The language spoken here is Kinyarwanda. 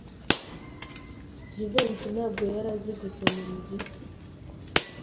Jivency ntabwo yari azi gusoma umuziki.